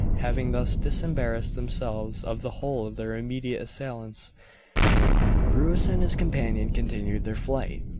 Having thus disembarrassed themselves of the whole of their immediate assailants, Bruce and his companion continued their flight.